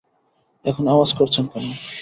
এখন আওয়াজ করছেন কেন?